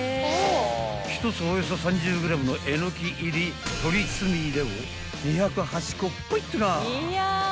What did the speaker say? ［１つおよそ３０ｇのえのき入り鶏つみれを２０８個ポイっとな］